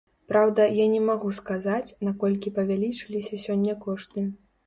Праўда, я не магу сказаць, наколькі павялічыліся сёння кошты.